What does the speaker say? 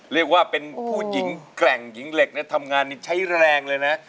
เรียกว่าเป็นผู้หญิงแกร่งหญิงเหล็กนะทำงานนี่ใช้แรงเลยนะ